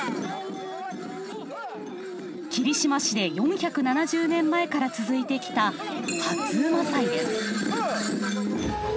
霧島市で４７０年前から続いてきた初午祭です。